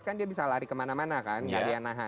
kan dia bisa lari kemana mana kan iya